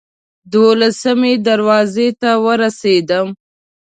دولسمې دروازې ته ورسېدم.